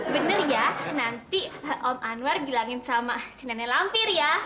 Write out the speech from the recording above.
bener ya nanti om anwar gilangin sama si nenek lampir ya